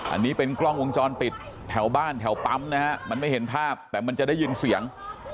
อันนี้เป็นกล้องวงจรปิดแถวบ้านแถวปั๊มนะฮะมันไม่เห็นภาพแต่มันจะได้ยินเสียง